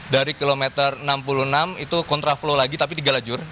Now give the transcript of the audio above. dari kilometer enam puluh enam itu kontra flow lagi tapi tiga lajur